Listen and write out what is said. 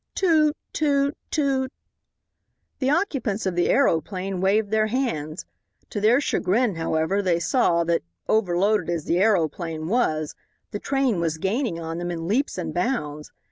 "Toot! toot! toot!" The occupants of the aeroplane waved their hands. To their chagrin, however, they saw that, overloaded as the aeroplane was, the train was gaining on them in leaps and bounds.